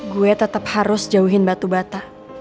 gue tetap harus jauhin batu bata